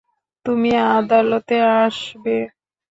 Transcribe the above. তুমি আদালতে আসবে?